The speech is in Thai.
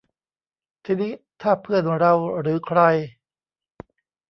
ทีนี้ถ้าเพื่อนเราหรือใคร